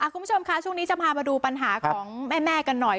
คุณผู้ชมค่ะช่วงนี้จะพามาดูปัญหาของแม่กันหน่อย